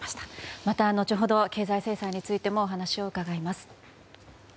また、後ほど経済制裁についてもお話を伺います。